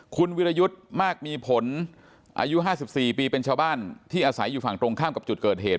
คุณวิรยุทธ์มากมีผลอายุ๕๔ปีเป็นชาวบ้านที่อาศัยอยู่ฝั่งตรงข้ามกับจุดเกิดเหตุ